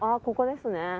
ここですね。